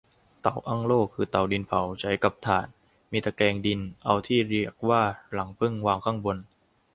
เตาอั้งโล่ คือเตาดินเผา ใช้กับถ่าน มีตะแกรงดินเอาที่เรียกว่ารังผึ้ง วางข้างบน